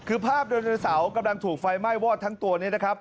คือภาพไดโนเสาร์กำลังถูกไฟไหม้วอดทั้งตัวนี้นะครับ